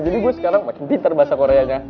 jadi gue sekarang makin pinter bahasa koreanya